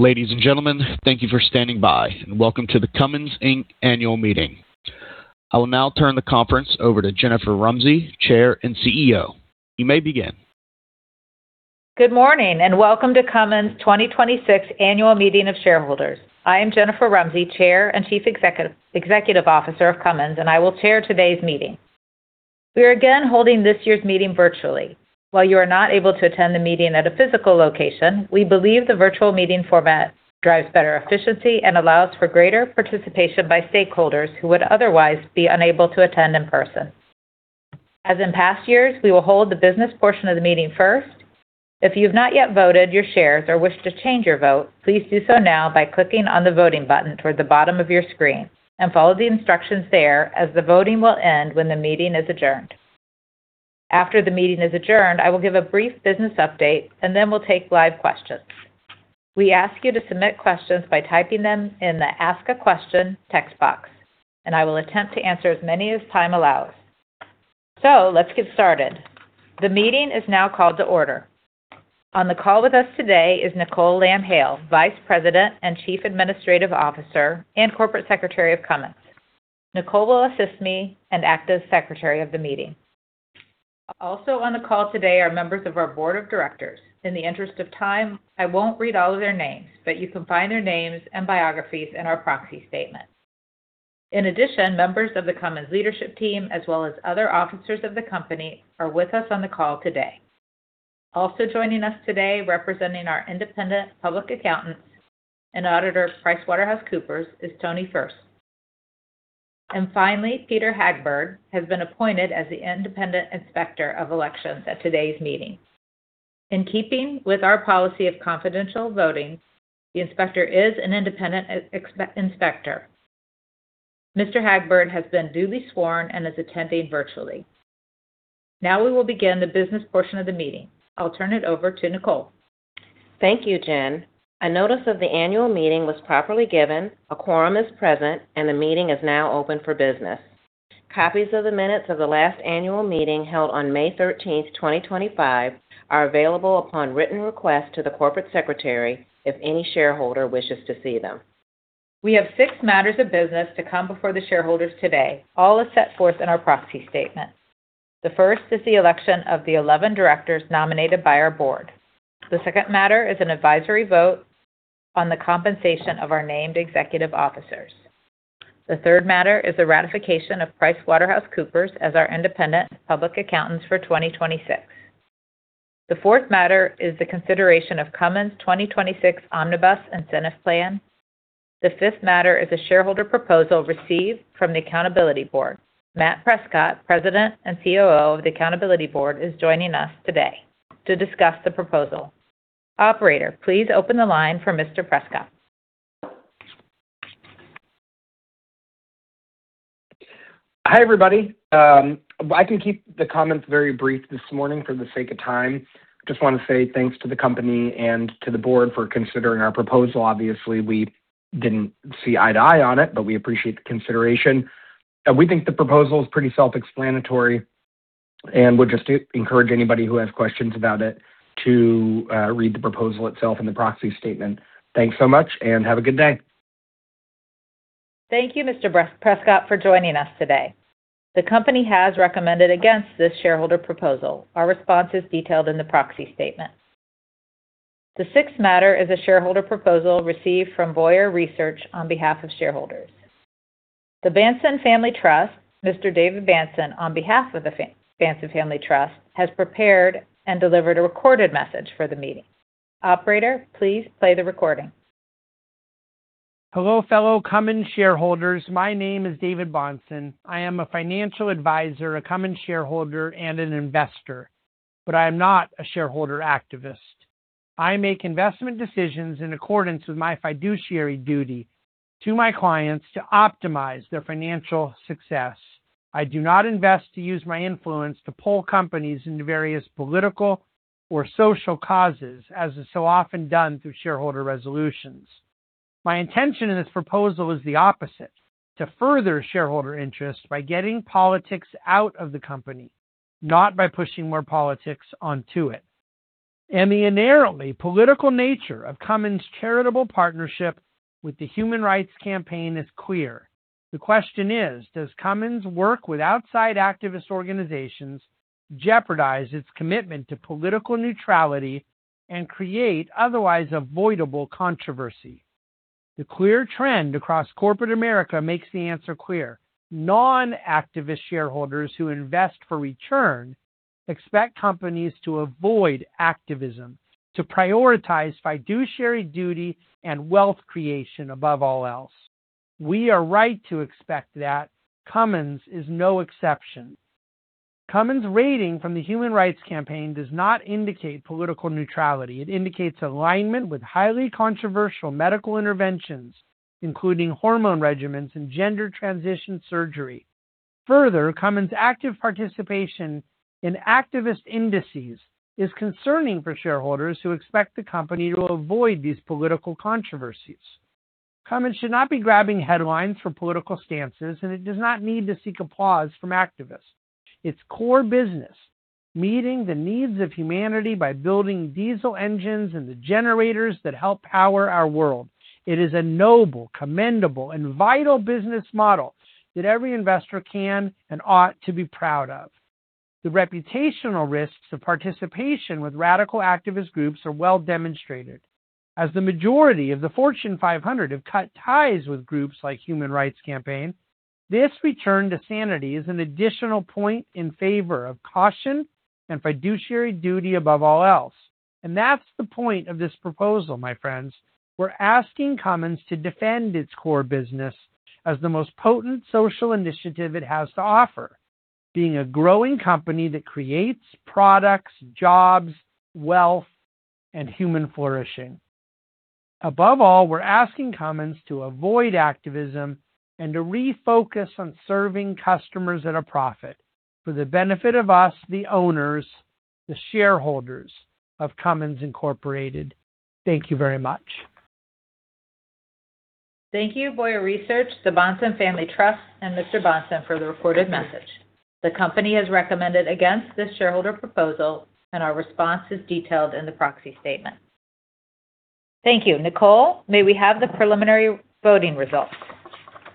Ladies and gentlemen, thank you for standing by. Welcome to the Cummins Inc. Annual Meeting. I will now turn the conference over to Jennifer Rumsey, Chair and CEO. You may begin. Good morning, welcome to Cummins' 2026 Annual Meeting of Shareholders. I am Jennifer Rumsey, Chair and Chief Executive Officer of Cummins, and I will chair today's meeting. We are again holding this year's meeting virtually. While you are not able to attend the meeting at a physical location, we believe the virtual meeting format drives better efficiency and allows for greater participation by stakeholders who would otherwise be unable to attend in person. As in past years, we will hold the business portion of the meeting first. If you've not yet voted your shares or wish to change your vote, please do so now by clicking on the Voting button toward the bottom of your screen and follow the instructions there as the voting will end when the meeting is adjourned. After the meeting is adjourned, I will give a brief business update, and then we will take live questions. We ask you to submit questions by typing them in the Ask a Question text box, and I will attempt to answer as many as time allows. Let's get started. The meeting is now called to order. On the call with us today is Nicole Lamb-Hale, Vice President and Chief Administrative Officer and Corporate Secretary of Cummins. Nicole will assist me and act as Secretary of the meeting. Also on the call today are members of our Board of Directors. In the interest of time, I will not read all of their names, but you can find their names and biographies in our proxy statement. In addition, members of the Cummins leadership team as well as other officers of the company are with us on the call today. Also joining us today representing our independent public accountants and auditor, PricewaterhouseCoopers, is Tony Furse. Finally, Peter Hagberg has been appointed as the independent Inspector of Elections at today's meeting. In keeping with our policy of confidential voting, the inspector is an independent inspector. Mr. Hagberg has been duly sworn and is attending virtually. Now we will begin the business portion of the meeting. I'll turn it over to Nicole. Thank you, Jen. A notice of the annual meeting was properly given, a quorum is present, and the meeting is now open for business. Copies of the minutes of the last annual meeting held on May 13th 2025, are available upon written request to the corporate secretary if any shareholder wishes to see them. We have six matters of business to come before the shareholders today, all as set forth in our proxy statement. The first is the election of the 11 directors nominated by our board. The second matter is an advisory vote on the compensation of our named executive officers. The third matter is the ratification of PricewaterhouseCoopers as our independent public accountants for 2026. The fourth matter is the consideration of Cummins' 2026 Omnibus Incentive Plan. The fifth matter is a shareholder proposal received from The Accountability Board. Matthew Prescott, President and COO of The Accountability Board, is joining us today to discuss the proposal. Operator, please open the line for Mr. Prescott. Hi, everybody. I can keep the comments very brief this morning for the sake of time. Just wanna say thanks to the company and to the board for considering our proposal. Obviously, we didn't see eye to eye on it, but we appreciate the consideration. We think the proposal is pretty self-explanatory, and would just encourage anybody who has questions about it to read the proposal itself in the proxy statement. Thanks so much, and have a good day. Thank you, Mr. Prescott, for joining us today. The company has recommended against this shareholder proposal. Our response is detailed in the proxy statement. The sixth matter is a shareholder proposal received from Boyar Research on behalf of shareholders. The Bahnsen Family Trust, Mr. David Bahnsen, on behalf of the Bahnsen Family Trust, has prepared and delivered a recorded message for the meeting. Operator, please play the recording. Hello, fellow Cummins shareholders. My name is David Bahnsen. I am a financial advisor, a Cummins shareholder, and an investor, but I am not a shareholder activist. I make investment decisions in accordance with my fiduciary duty to my clients to optimize their financial success. I do not invest to use my influence to pull companies into various political or social causes, as is so often done through shareholder resolutions. My intention in this proposal is the opposite: to further shareholder interest by getting politics out of the company, not by pushing more politics onto it. The inherently political nature of Cummins' charitable partnership with the Human Rights Campaign is clear. The question is: Does Cummins work with outside activist organizations jeopardize its commitment to political neutrality and create otherwise avoidable controversy? The clear trend across corporate America makes the answer clear. Non-activist shareholders who invest for return expect companies to avoid activism, to prioritize fiduciary duty and wealth creation above all else. We are right to expect that Cummins is no exception. Cummins' rating from the Human Rights Campaign does not indicate political neutrality. It indicates alignment with highly controversial medical interventions, including hormone regimens and gender transition surgery. Further, Cummins' active participation in activist indices is concerning for shareholders who expect the company to avoid these political controversies. Cummins should not be grabbing headlines for political stances, and it does not need to seek applause from activists. Its core business, meeting the needs of humanity by building diesel engines and the generators that help power our world, is a noble, commendable, and vital business model that every investor can and ought to be proud of. The reputational risks of participation with radical activist groups are well demonstrated, as the majority of the Fortune 500 have cut ties with groups like Human Rights Campaign. This return to sanity is an additional point in favor of caution and fiduciary duty above all else. That's the point of this proposal, my friends. We're asking Cummins to defend its core business as the most potent social initiative it has to offer, being a growing company that creates products, jobs, wealth, and human flourishing. Above all, we're asking Cummins to avoid activism and to refocus on serving customers at a profit for the benefit of us, the owners, the shareholders of Cummins Inc. Thank you very much. Thank you, Boyar Research, the Bahnsen Family Trust, and Mr. Bahnsen for the recorded message. The company has recommended against this shareholder proposal. Our response is detailed in the proxy statement. Thank you. Nicole, may we have the preliminary voting results?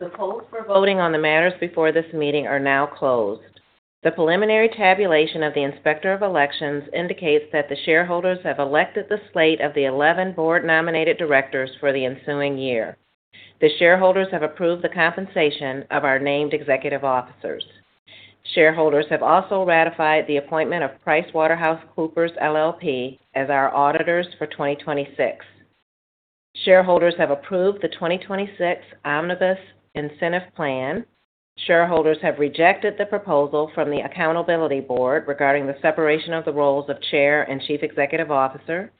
The polls for voting on the matters before this meeting are now closed. The preliminary tabulation of the Inspector of Elections indicates that the shareholders have elected the slate of the 11 board-nominated directors for the ensuing year. The shareholders have approved the compensation of our named executive officers. Shareholders have also ratified the appointment of PricewaterhouseCoopers LLP as our auditors for 2026. Shareholders have approved the 2026 Omnibus Incentive Plan. Shareholders have rejected the proposal from The Accountability Board regarding the separation of the roles of chair and chief executive officer,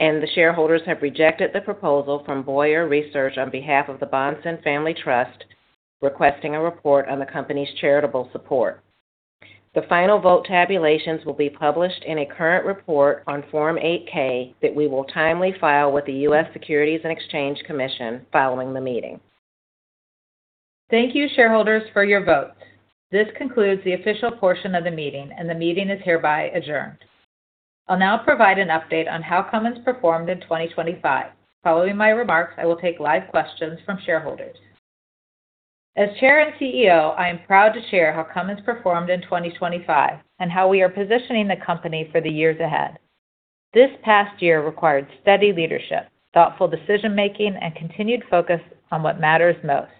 and the shareholders have rejected the proposal from Boyar Research on behalf of the Bahnsen Family Trust, requesting a report on the company's charitable support. The final vote tabulations will be published in a current report on Form 8-K that we will timely file with the U.S. Securities and Exchange Commission following the meeting. Thank you, shareholders, for your vote. This concludes the official portion of the meeting, and the meeting is hereby adjourned. I'll now provide an update on how Cummins performed in 2025. Following my remarks, I will take live questions from shareholders. As Chair and CEO, I am proud to share how Cummins performed in 2025 and how we are positioning the company for the years ahead. This past year required steady leadership, thoughtful decision-making, and continued focus on what matters most: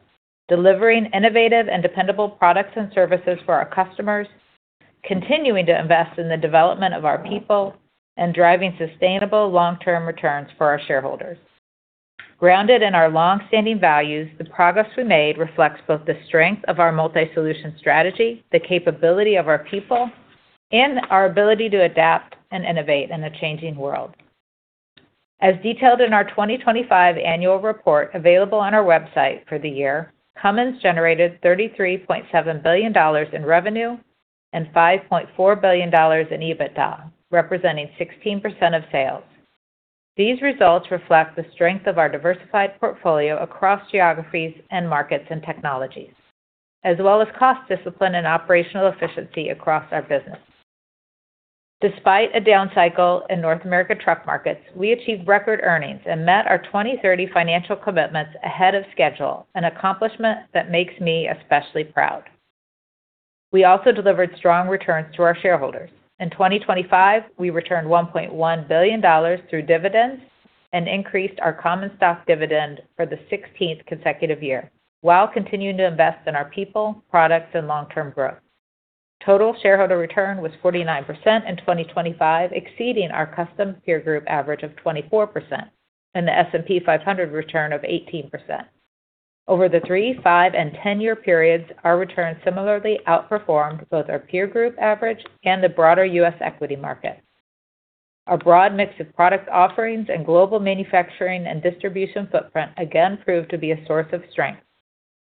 delivering innovative and dependable products and services for our customers, continuing to invest in the development of our people, and driving sustainable long-term returns for our shareholders. Grounded in our long-standing values, the progress we made reflects both the strength of our multi-solution strategy, the capability of our people, and our ability to adapt and innovate in a changing world. As detailed in our 2025 annual report available on our website for the year, Cummins generated $33.7 billion in revenue and $5.4 billion in EBITDA, representing 16% of sales. These results reflect the strength of our diversified portfolio across geographies and markets and technologies, as well as cost discipline and operational efficiency across our business. Despite a down cycle in North America truck markets, we achieved record earnings and met our 2030 financial commitments ahead of schedule, an accomplishment that makes me especially proud. We also delivered strong returns to our shareholders. In 2025, we returned $1.1 billion through dividends and increased our common stock dividend for the 16th consecutive year while continuing to invest in our people, products, and long-term growth. Total shareholder return was 49% in 2025, exceeding our custom peer group average of 24% and the S&P 500 return of 18%. Over the three, five, and 10-year periods, our return similarly outperformed both our peer group average and the broader U.S. equity market. Our broad mix of product offerings and global manufacturing and distribution footprint again proved to be a source of strength.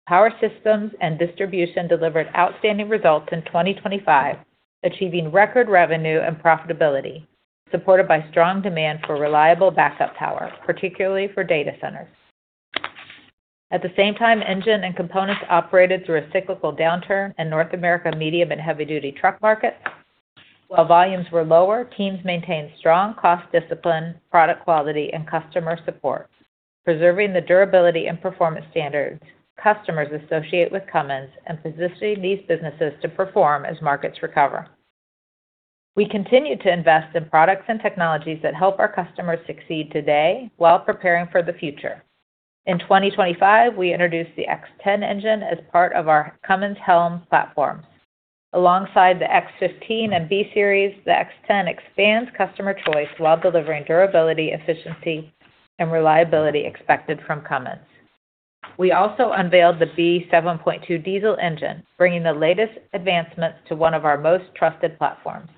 Power Systems and Distribution delivered outstanding results in 2025, achieving record revenue and profitability, supported by strong demand for reliable backup power, particularly for data centers. At the same time, Engine and Components operated through a cyclical downturn in North America medium and heavy-duty truck markets. While volumes were lower, teams maintained strong cost discipline, product quality, and customer support, preserving the durability and performance standards customers associate with Cummins and positioning these businesses to perform as markets recover. We continue to invest in products and technologies that help our customers succeed today while preparing for the future. In 2025, we introduced the X10 engine as part of our Cummins HELM platform. Alongside the X15 and B Series, the X10 expands customer choice while delivering durability, efficiency, and reliability expected from Cummins. We also unveiled the B7.2 diesel engine, bringing the latest advancements to one of our most trusted platforms.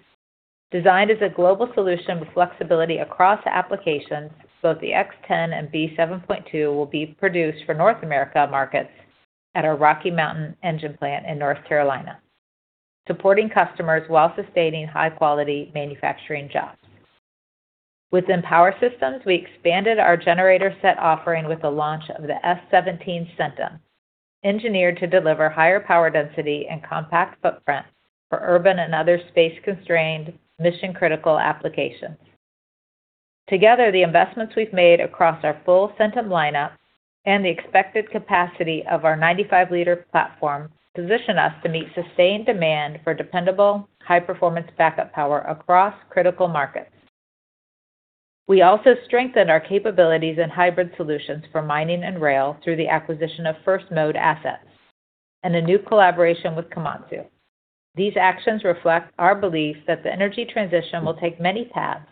Designed as a global solution with flexibility across applications, both the X10 and B7.2 will be produced for North America markets at our Rocky Mount Engine Plant in North Carolina. Supporting customers while sustaining high-quality manufacturing jobs. Within power systems, we expanded our generator set offering with the launch of the S17 Centum, engineered to deliver higher power density and compact footprints for urban and other space-constrained mission-critical applications. Together, the investments we've made across our full Centum lineup and the expected capacity of our 95-liter platform position us to meet sustained demand for dependable high-performance backup power across critical markets. We also strengthened our capabilities in hybrid solutions for mining and rail through the acquisition of First Mode assets and a new collaboration with Komatsu. These actions reflect our belief that the energy transition will take many paths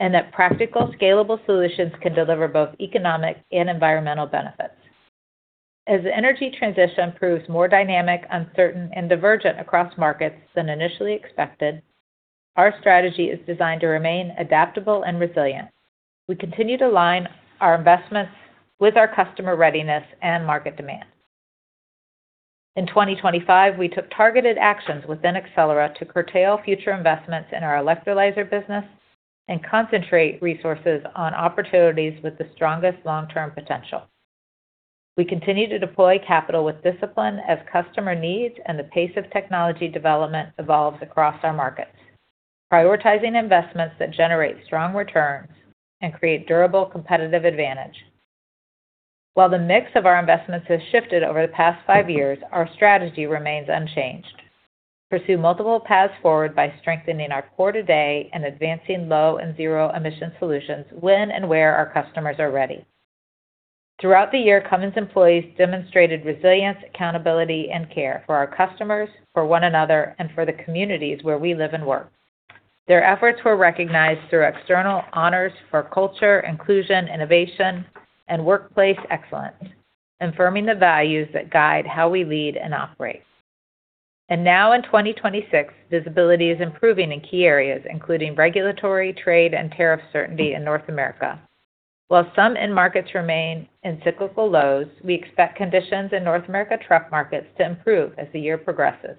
and that practical scalable solutions can deliver both economic and environmental benefits. As the energy transition proves more dynamic, uncertain, and divergent across markets than initially expected, our strategy is designed to remain adaptable and resilient. We continue to align our investments with our customer readiness and market demand. In 2025, we took targeted actions within Accelera to curtail future investments in our electrolyzer business and concentrate resources on opportunities with the strongest long-term potential. We continue to deploy capital with discipline as customer needs and the pace of technology development evolves across our markets, prioritizing investments that generate strong returns and create durable competitive advantage. While the mix of our investments has shifted over the past five years, our strategy remains unchanged. Pursue multiple paths forward by strengthening our core today and advancing low and zero emission solutions when and where our customers are ready. Throughout the year, Cummins employees demonstrated resilience, accountability, and care for our customers, for one another, and for the communities where we live and work. Their efforts were recognized through external honors for culture, inclusion, innovation, and workplace excellence, affirming the values that guide how we lead and operate. Now in 2026, visibility is improving in key areas, including regulatory, trade, and tariff certainty in North America. While some end markets remain in cyclical lows, we expect conditions in North America truck markets to improve as the year progresses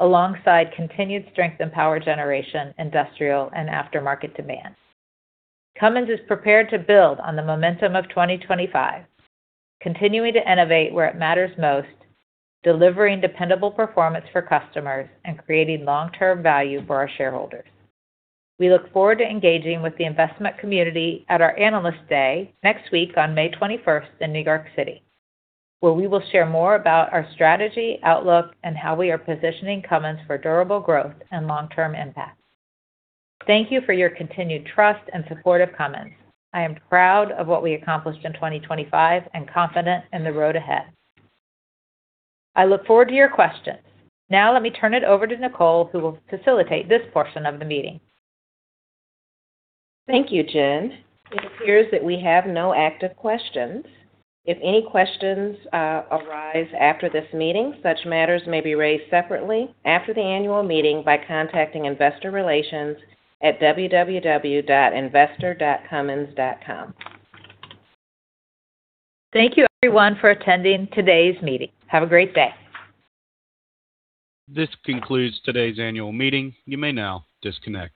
alongside continued strength in power generation, industrial, and aftermarket demand. Cummins is prepared to build on the momentum of 2025, continuing to innovate where it matters most, delivering dependable performance for customers and creating long-term value for our shareholders. We look forward to engaging with the investment community at our Analyst Day next week on May 21st in New York City, where we will share more about our strategy, outlook, and how we are positioning Cummins for durable growth and long-term impact. Thank you for your continued trust and support of Cummins. I am proud of what we accomplished in 2025 and confident in the road ahead. I look forward to your questions. Now let me turn it over to Nicole, who will facilitate this portion of the meeting. Thank you, Jennifer. It appears that we have no active questions. If any questions arise after this meeting, such matters may be raised separately after the annual meeting by contacting investor relations at investor.cummins.com. Thank you everyone for attending today's meeting. Have a great day. This concludes today's annual meeting. You may now disconnect.